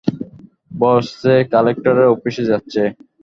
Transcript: বস, সে কালেক্টরের অফিসে যাচ্ছে।